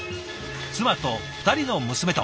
妻と２人の娘と。